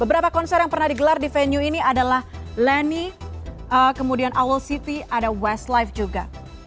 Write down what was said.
beberapa konser yang pernah digelar di venue ini adalah lenny kemudian our city ada westlife juga